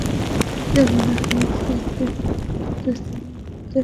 এতে বলা হয়েছে, হিসাবটিতে অর্থ স্থানান্তর করতে হবে কার্যাদেশের সাত দিনের মধ্যে।